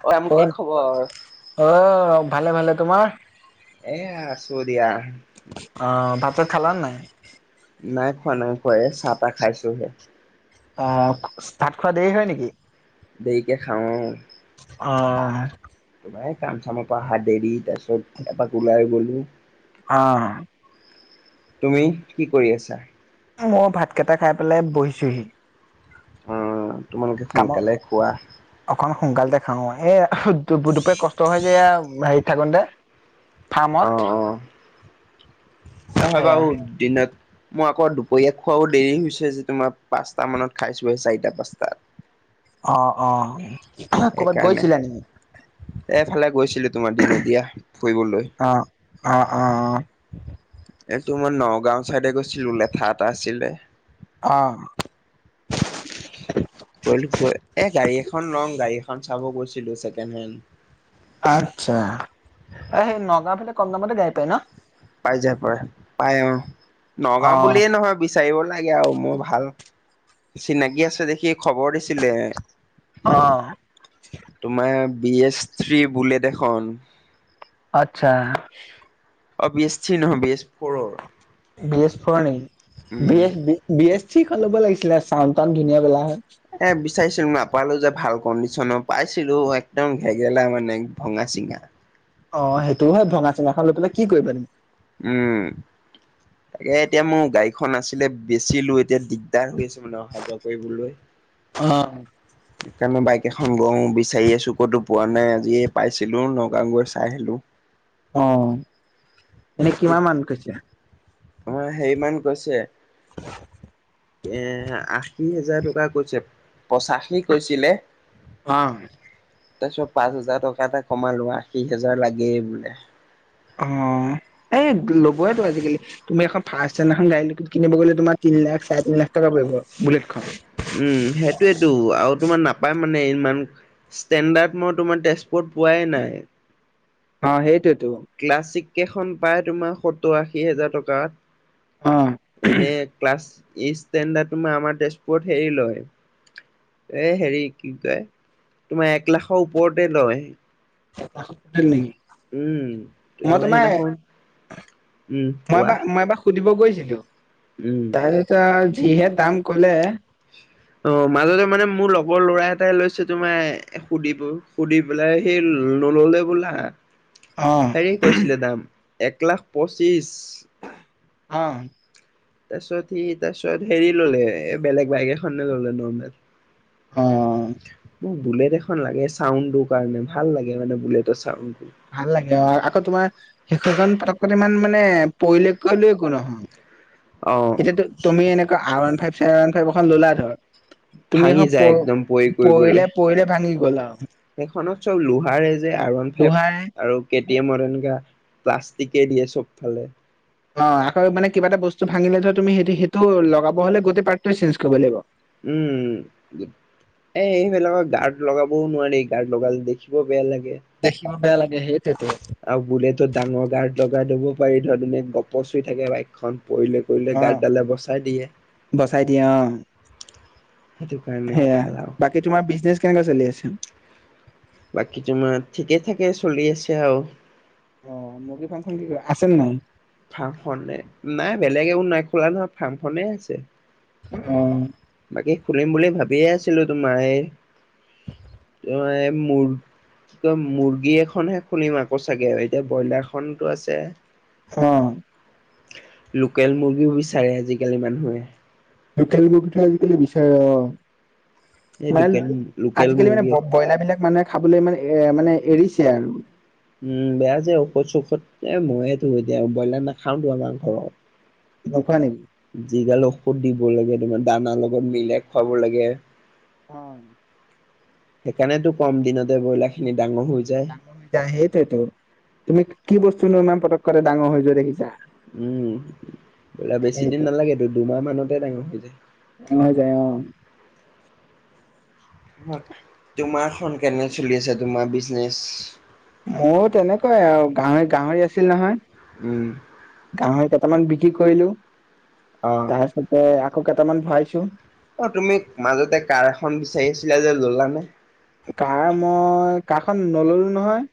[unintelligible] কি অ', খবৰ? অ', ভালে ভালে, তোমাৰ। এয়া আছোঁ দিয়া। অ', ভাত খালা নে নাই। নাই খোৱা নাই খোৱা চাহ তাহ খাইছোঁহে। অ', ভাত খোৱা দেৰি হয় নেকি? দেৰিকে খাওঁ অ'। অ'। তোমাৰ কাম চামৰ পৰা অহা দেৰি, তাৰপিছত এপাক ওলাই গ'লো। অ'। তুমি কি কৰি আছা? মই ভাত কেইটা খাই পেলাই বহিছোঁহি। অ তোমালোকে কামত সোনকালে খোৱা। অকন সোনকালে খাওঁ আৰু [unintelligible] দুপু দুপ কষ্ট হয় যে হেৰিত থাকোঁতে। অ ফাৰ্মত। অ' হয় সেয়া [unintelligible] দিনত মই আকৌ দুপৰীয়া খোৱাও দেৰি হৈছে যে, তোমাৰ পাঁচটা মানত খাইছোঁহে, চাৰিটা পাঁচটাত। অ', অ'। ক'ৰবাত সেইকাৰণে, গৈছিলা নেকি? এফালে গৈছিলোঁ তোমাৰ দিনত, দিয়া ফুৰিবলৈ। অ', অ', অ'। এইটো মই নগাঁও ছাইডে গৈছিলোঁ, লেঠা এটা আছিলে। অ'। গ'লো গৈ, এ গাড়ী এখন ল'ম, গাড়ী এখন চাব গৈছিলোঁ, ছেকেণ্ড হেণ্ড। আচ্ছা, সেই নগাঁও ফালে কম দামতে গাড়ী পায় ন'। পাই যায়, পাই অ' নগাওঁ অ', বুলিয়ে নহয়, বিচাৰিব লাগে আৰু মই ভাল চিনাকি আছে দেখি খবৰ দিছিলে। অ'। তোমাৰ, বি এছ থ্ৰী বুলেট এখন। আচ্ছা। অ' বি এছ থ্ৰী নহয় বি এছ ফ'ৰৰ। বি এছ ফ'ৰৰ নেকি, উম B S B B S three ল'ব লাগিছিলে চাউন্ড টাউনড ধুনীয়া পালা হয়। এ, বিচাৰিছিলোঁ মই নাপালো যে ভাল কণ্ডিচনৰ পাইছিলোঁ একদম ঘেগেলা মানে, ভঙা চিঙা। অ', সেইটোওঁ হয় ভঙা চিঙাখন লৈ পেলাই কি কৰিবা তুমি। উম, তাকে এতিয়া মোৰ গাড়ীখন আছিলে বেচিলো, এতিয়া দিগদাৰ হৈ আছে। মই অহা যোৱা কৰিবলৈ। অ'। কাৰণ, বাইক এখন বিচাৰি আছোঁ ক'তো পোৱা নাই, আজিয়ে পাইছিলোঁ, নগাওঁ গৈ চাই আহিলো। অ', এনেই কিমান মান কৈছে? আপোনৰ হেৰিমান কৈছে এ, আশী হোজাৰ টকা কৈছে, পঁচাশী কৈছিলে। অ'। তাৰপিছত পাঁচ হাজাৰ টকা এটা কমালো, আশী হাজাৰ লাগেই বোলে। অ', এই ল'বয়েটো আজিকালি। তুমি এখন ফাৰ্চ ষ্টেণ্ডাৰ্ড খন গাড়ী এখন কিনিব গ'লে, তোমাৰ তিন লাখ চাৰে তিন লাখ টকা পৰিব বুলেটখন। উম, সেইটোৱেটো, আৰু তোমাৰ নাপায় মানে ইমান ষ্টেণ্ডাৰ্ড, মই তোমাৰ তেজপুৰত পোৱাই নাই। অ'! সেইটোৱেতো। ক্লাছিক কেইখন পাই তোমাৰ, সত্তৰ-আশী হাজাৰ অ টকাত। এনে, ক্লাছ ইষ্টেণ্ডাৰ্ডটো তোমাৰ, আমাৰ তেজপুৰত, হেৰি লয়। এ হেৰি, কি কয়! তোমাৰ এক লাখৰ ওপৰতে, লয়। [unintelligible] নেকি? উম মই তোমাৰ, উম মই কোৱা এবাৰ, মই এবাৰ সুধিব গৈছিলোঁ। উম! [unintelligible] যিহে দাম ক'লে! অ'! মাজতে মানে, মোৰ লগৰ ল'ৰা এটাই লৈছে, তোমাৰ সুধিব, সুধি বোলাই সেই, নল'লে হ'বলা। অ'! সি কৈছিলে দাম! এক লাখ পঁচিছ। অ'! তাৰপিছত সি, তাৰপিছত হেৰি ল'লে, এ, বেলেগ বাইক এখনে ল'লে, নৰ্মেল। অ উম! বুলেট এখন লাগে, চাউণ্ডটোৰ কাৰণে। ভাল লাগে মানে, বুলেটৰ চাউণ্ডটো। ভাল লাগে, অ'! আকৌ, তোমাৰ সেইখন, পতকনে ইমান মানে, পৰিলে কৰিলেও, একো নহয়। অ এতিয়া, [unintelligible] তুমি এনেকুৱা, R one five, sir one five এখন ল'লা ধৰ, তুমি ভাঙি এখন, যায় প একদম পৰি কৰি গলে পৰিলে-পৰিলে ভাঙি গ'ল আৰু। সেইখনত চব লোহাৰে যে, আইৰন ফাইভ দোহাই আৰু কে তুমি টি এম [unintelligible] প্লাষ্টিকে দিয়ে, চবফালে। অ'! আকৌ মানে, কিবা এটা বস্তু ভাঙিলে, ধৰ তুমি, সই সেইটো লগাব হ'লে, গোটেই পাৰ্টটোৱে চেঞ্চ কৰিব লাগিব। উম! এই, এইবিলাকৰ গাৰ্ড লগাবও নোৱাৰি। গাৰ্ড লগালে, দেখিবও বেয়া লাগে। দেখিব বেয়া লাগে, সেইটোৱেতো! আৰু বুলেটত ডাঙৰ গাৰ্ড লগাই দিব পাৰি, ধৰ এনে, গপচ হৈ থাকে, বাইকখন পৰিলে। পৰিলে, অ গাৰ্ড ডালে বচাই দিয়ে। বচাই দিয়ে অ সেইটো কাৰণে ভাল আৰু। এই, তোমাৰ বিজনেছ কেনেকা চলি আছে? বাকী তোমাৰ, ঠিকে-ঠাকে চলি আছে আৰু। অ'! মুৰ্গী ফাৰ্ম খন আছে, নাই? ফাৰ্মখনে, নাই বেলেগ একো, নাই খোলা নহয়, ফাৰ্মখনে আছে। অ'! বাকী, খুলিম বুলি ভাবিয়ে আছিলোঁ! তোমাৰ এই, [unintelligible] কি কয়, মুৰ্গী এখনহে খুলিম আকৌ, চাগে। এতিয়া, ব্ৰইলাৰ খনোঁ আছে। অ'! লোকেল মুৰ্গীও বিচাৰে, আজিকালি মানুহে। লোকেল মুৰ্গীটো, আজিকালি বিচাৰে। অ'! এই লোকেল মানে, লোকেল আজিকালি মানে, মুৰ্গী ব্ৰইলাৰ বিলাক মানুহে খাবলৈ মানে, এ, মানে, এৰিছে আৰু। উম, বেয়া যে! ঔষধ- চৌষধ, মইয়েতো এতিয়া, ব্ৰইলাৰ নাখাওঁতো, আমাৰ ঘৰত। নোখোৱো নেকি? যিগাল ঔষধ দিব লাগে তোমাৰ, দানা লগত মিলাই খুৱাব লাগে। অ'! সেইকাৰণেতো, কম দিনতে ব্ৰইলাৰ খিনি ডাঙৰ হৈ যায়। যাই সেইটোৱতো, তুমি কি বস্তুনো ইমান পতককে, ডাঙৰ হৈ যোৱা দেখিছা? উম, ব্ৰইলাৰ বেছি সেইটো দিন নালাগেতো, দুমাহ মানতে ডাঙৰ হৈ যায়। হৈ যায়, অ'! তোমাৰখন কেনে চলি আছে তোমাৰ বিজনেচ? মোৰ তেনেকুৱাই আৰু। গাহ-গাহৰি আছিল নহয়। উম। গাহৰি কেইটামান বিক্ৰী কৰিলো। অ'। তাৰপিছতে আকৌ কেইটামান ভৰাইছো। অ তুমি মাজতে কাৰ এখন বিচাৰি আছিলা যে ল'লা নে? কাৰ মই কাৰখন নললো নহয়।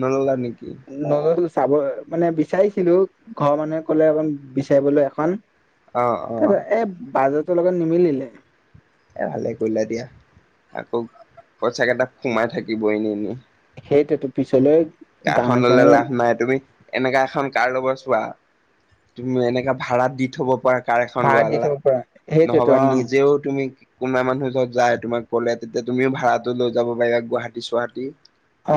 নাললা নেকি? মই চাব মানে বিচাৰিছিলো ঘৰৰ মানুহে ক'লে অক বিচাৰিবলৈ এখন। অ অ তাৰ এ বাজাৰটোৰ লগত নিমিলিলে। এ ভালে কৰিলা দিয়া। আকৌ পইচাকেইটা সোমাই থাকিব এনেই এনেই। সেইটো পিছলৈ গাঁৱে কাৰখন ললে চাঁৱে লাভ নাই। তুমি এনেকা এখন কাৰ লবা চোৱা তুমি এনেকা ভাড়াত দি থব পৰা কাৰ এখন ভাড়া দি লোৱালা। থব পৰা সেইটোতো নহবা অ নিজেও তুমি কোনোবা মানুহ যত যায় তোমাক কলে তেতিয়া তুমিও ভাড়াটো লৈ যাব পাৰিবা গুৱাহাটী-চুৱাহাটী। অ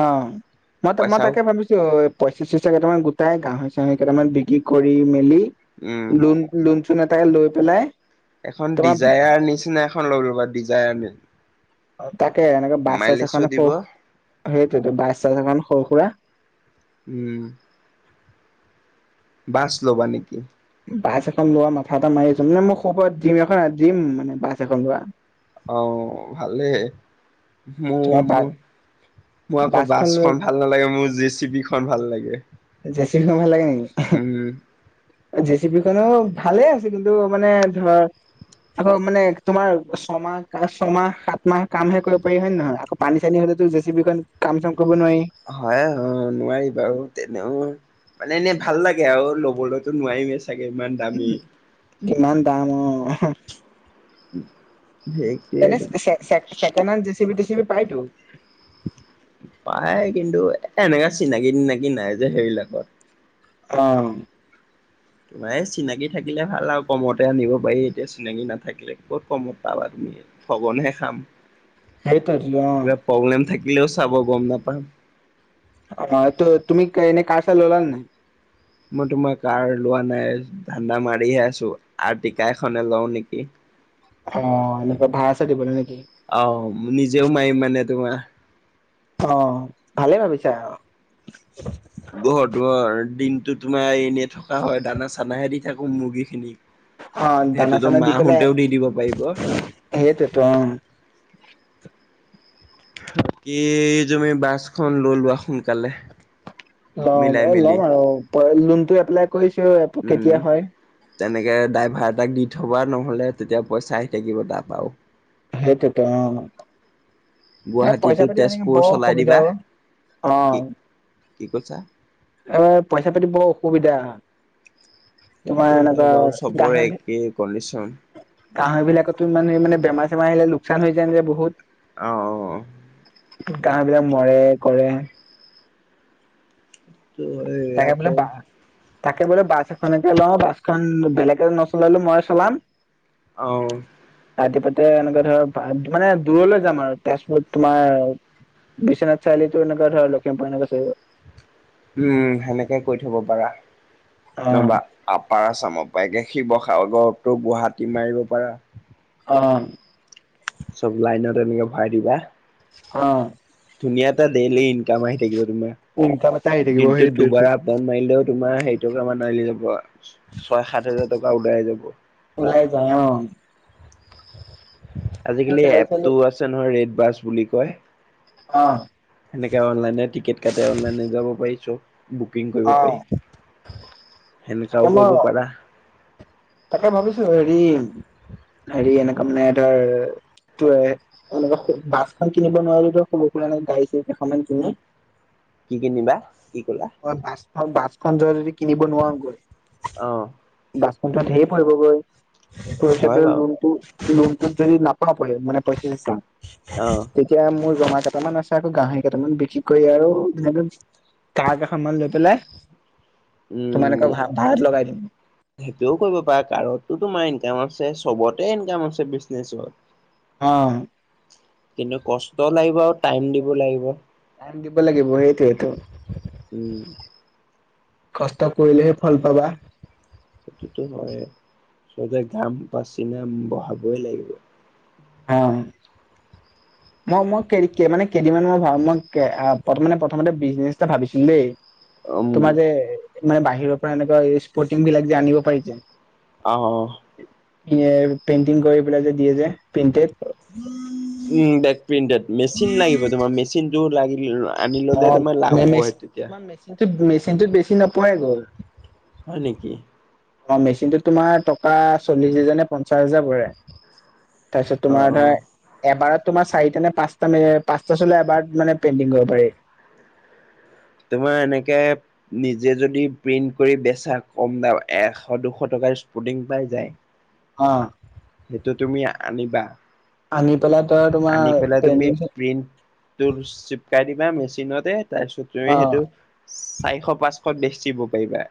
ম ত মই তাকে ভাবিছো পইচা-চইচা কেইটামান গোটাই গাহৰি-চাহৰি কেইটামান বিক্ৰী কৰি মেলি, উম লোন লুম-চুন এটাকে লৈ পেলাই এখন তোমাৰ ডিজায়াৰ নিচিনা এখন লৈলো লোবা ডিজায়াৰ ম তাকে এনেকে বাছ-চাছ এখন সৰু সেইটোতো, বাছ-চাছ এখন সৰু-সুৰা। উম। বাছ ল'বা নেকি? বাছ এখন লোৱা মাথা এটা মাৰি আছো। মানে মই সৰু পৰা ড্ৰিম এখন ড্ৰিম মানে বাছ এখন লোৱা। অ ভালেই। তোমাৰ বা মোৰ-মোৰ-মোৰ আকৌ বাছখন ভাল ভাল নালাগে। মোৰ জি চি পি খন ভাল লাগে। জে চি বি ভাল লাগে নেকি? উম। জে চি পি খনো ভালে আছে। কিন্তু মানে ধৰ আকৌ মানে তোমাৰ ছমাহ ছয়মাহ সাত মাহ কামহে কৰিব পাৰি হয় নে নহয়। আকৌ পানী-চানী হ'লেতো জে চি বি কাম-চাম কৰিব নোৱাৰি। হয় হয় নোৱাৰি বাৰু তেনেও মানে এনে ভাল লাগে আৰু ল'বলৈতো নোৱাৰিমেই চাগে ইমান দামী। ইমান দাম অ। [unintelligible] এনে চে চে চেকেণ্ড হেণ্ড জেচিপি-তিচিপি পায় টো। পায় কিন্তু এ এনেকা চিনাকি থিনাকি নাই যে সেইৰিবলাকত। অ। তোমাৰ এই চিনাকি থাকিলে ভাল আৰু কমতে আনিব পাৰি, এতিয়া চিনাকি নাথাকিলে ক'ত কমত পাবা তুমি। ঠগন হে খাম। সেইটাৱেটো অ। কিবা প্ৰব্লেম থাকিলেও চাব গম নাপাম। অ ত তুমি কনে কাৰ-চাৰ ললা নে নাই? মই তোমাৰ কাৰ লোৱা নাই ধান্দা মাৰিহে আছো। আৰ্টিকা এখনে লও নেকি। অ এনেকুৱা ভৰা-চাৰা দিবলে নেকি? আহ নিজেও মাৰিম মানে তোমাৰ অ ভালে ভাবিছা আৰু। ঘৰটো দিনটো তোমাৰ এনে থকা হয়, দানা-চানাহে দি থাকো মুৰ্গী খিনিক। অ দানা সেইটোতো মাহোতেও দি দিব পাৰিব। সেইটোৱেটো উম। বাকী তুমি বাছখন লৈ লোৱা সোনকালে। ল'ম মিলাই এ মেলি ল'ম আৰু লোনটো এপ্লাই কৰিছো উম। কেতিয়া হয় তেনেকে, ড্ৰাইভাৰ এটাক দি থবা নহ'লে, তেতিয়া পইচা আহি থাকিব তাৰ, আৰু। সেইটোৱেটো অ'। এ, গুৱাহাটীতো পইচা পাতি এনেকে তেজপুৰ বৰ চলাই অসুবিধা দিবা অ'। কি কি কৈছাঁ? এ, পইচা পাতি বৰ অসুবিধা। তোমাৰ সেইটোৱেটো হয় এনেকুৱা বাৰু, চবৰে একেই কনডিশ্যন। গাঁহৰি বিলাকটো মানে মানে, বেমাৰ চেমাৰ আহিলে লোকচান হৈ যায় যে বহুত। অ, অ, অ'। বিলাক মৰে কৰে। এই তাকে বোলো আকৌ তাকে বোলো, বাছ এখনকে লওঁ, বাছখন বেলেগে নচলালেও, মই চলাম অ'। ৰাতিপুৱাতে এনেকে ধৰ, মানে দূৰলৈ যাম আৰু তেজপুৰত তোমাৰ বিশ্বনাথ চাৰিআলি তোৰ এনেকা ধৰ লখিমপুৰ উম, সেনেকে কৰি থ'ব পাৰা নহ'বা অ আপাৰ আচামৰ পৰা এতিয়া, শিৱসাগৰ তো, গুৱাহাটী মাৰিব পাৰা। অ'। চব লাইনৰে এনেকে ভৰাই দিবা। অ'। ধুনীয়া এটা ডেইলি ইনকাম আহি থাকিব, তোমাৰ। উ তে চ [unintelligible] আহি থাকিব সেইটোৱেটো। দন [unintelligible] মাৰিলেও তোমাৰ হেৰি টকা মান আহি যাব, ছয় সাত হাজাৰ টকা উলাই যাব। ওলাই যায়, অ'। আজিকালি এপটো আছে নহয়, ৰেড বাছ বুলি কয়। অ'। পাৰ অ [unintelligible] তাকে সেনেকুৱাওঁ মই কৰিব পাৰা। তাকে ভাবিছোঁ হেৰি, হেৰি এনেকুৱা মানে ধৰ এনেকা, বাছখন কিনিব নোৱাৰিলেও এনে সৰু-সুৰা গাড়ী কেইখনমান কিনি কি কিনিবা? কি কলা? বাছখন বাছখন য [unintelligible] যদি কিনিব নোৱাৰোগৈ। অ'। বাছটো খনটো ঢেৰ পৰিবগৈ, হয় বাৰু লোনটো লোনটোত যদি নাপাও মানে পইচা চইচা অ', এতিয়া মোৰ জমা কেইটামান আছে, আকৌ গাহৰি কেইটামান বিক্ৰী কৰি আৰু এ কাৰ কেইখনমান লৈ পেলাই, উম তোমালোকৰ ভাড়াত লগাই দিম। সেইটোও কৰিব পাৰা, কাৰটো তোমাৰ ইনকাম আছে, চবতে ইনকাম আছে, বিজনেচত। অ',। কিন্তু, কষ্ট লাগিব, আৰু টাইম দিব লাগিব। টাইম দিব লাগিব, সেইটোৱেটো। উম',। কষ্ট কৰিলেহে, ফল পাবা। সেইটোটো হয়ে, ঘাম পচিনা বঢ়াবই লাগিব। অহ। মই, মই মানে, কেইদিনমানৰ পৰা মই প্ৰথমতে বিজনেচ এটা ভাবিছিলোঁ, দেই উম তোমাৰ যে, মানে বাহিৰৰ পৰা এনেকুৱা স্পৰ্টিং বিলাক যে, আনিব পাৰি যে অ',। [unintelligible] পেইন্টিং কৰি পেলাই যে দিয়ে যে, প্ৰেইন্টেড। উম, ডেড প্ৰিন্টেড, মেচিন লাগিব তোমা, ৰ মেচিন টো লাগি লোৱা। আনি ল'লে তোমাৰ লাভ হ'ব তেতিয়া। কিন্তু মেচিনটোত বেছি নপৰেগৈ। হয় নেকি? অ', মেচিনটোত তোমাৰ টকা চল্লিশ হোজাৰ নে, পঞ্চাশ হাজাৰ পৰে। তাৰপিছত অ তোমাৰ অ ধৰা এবাৰত তোমাৰ চাৰিটা নে পাঁচ-পাঁচটা চোলা বা মানে পেইণ্টিং কৰিব পাৰে। তোমাৰ এনেকে নিজে যদি প্ৰিন্ট কৰি বেচা, কম দাম এশ দুশ টকাৰ স্পুটিং পাই যায়। অ'। সেইটো তুমি আনিবা। আনি পেলাই তই তোমাৰ আনি পেলাই তুমি পেইণ্টিং প্ৰিণ্ট তোৰ চিপকাই দিবা মেচিনতে, তাৰপিছত তুমি অ সেইটো চাৰিশ পাঁচশ বেচিব পাৰিবা,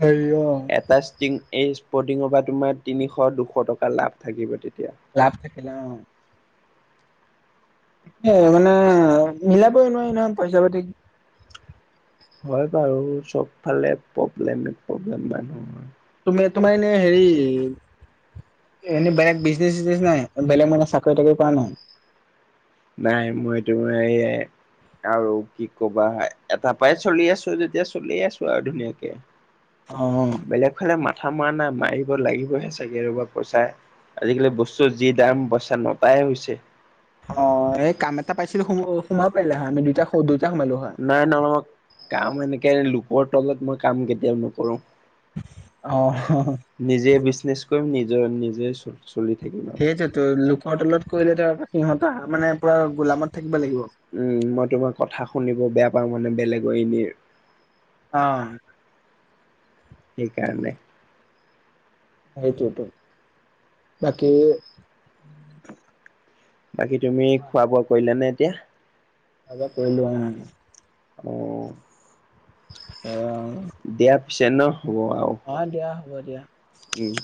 হেৰি অ এটা টি এই স্পৰ্টিঙৰ পৰা তোমাৰ তিনিশ, দুশ টকা লাভ থাকিব তেতিয়া। লাভ থাকিলা, অ'। এ মানে মিলাবই নোৱাৰি নহয় পইচা পাতি হয় বাৰু, চব ফালে প্ৰব্লেম প্ৰব্লেম মানুহৰ। তুমি তোমাৰ এনে হেৰি এনেই বেলেগ বিজনেচ-চিজনেচ নাই বেলেগ, মানে চাকৰি তাকৰি কৰা নাই? নাই, মই তোমাৰ এইয়াই আৰু কি কবা, এটাৰ পৰাই চলি আছো যেতিয়া চলিয়ে আছো আৰু ধুনীয়াকে। অ'। বেলেগ ফালে মাথা মৰা নাই, মাৰিব লাগিবহে চাগে ৰ'বা পইচাই আজিকালি বস্তুৰ যি দাম, পইচা নটাই হৈছে। অ', এই কাম এটা পাইছিলো সোমো সোমাব পাৰিলা হয়, আমি দুইটা দুইটা সোমালো হয়। নাই নহ, মই কাম এনেকে লোকৰ তলত মই কাম কেতিয়াও নকৰো। অ'। নিজেই বিজনেছ কৰিম, নিজৰ নিজে চলি থাকিম আৰু। তো, লোকৰ তলত কৰিলে ধৰ সিহঁতৰ মানে পুৰা গোলামত থাকিব লাগিব। উম, মই তোমাৰ কথা শুনিব বেয়া পাওঁ মানে বেলেগৰ এনেই। অ'। সেইকাৰণে। সেইটোটো, বাকি বাকী তুমি, খোৱা বোৱা কৰিলা নে এতিয়া? [unintelligible] অ'। [unintelligible] দিয়া পিছে হ, হ'ব আৰু। অ', দিয়া, হ'ব দিয়া। উম।